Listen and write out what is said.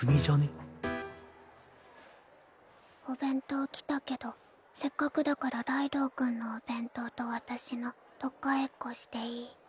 お弁当来たけどせっかくだからライドウ君のお弁当と私の取っ替えっこしていい？